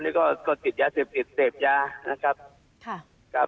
ท่านผู้จัดยานะครับ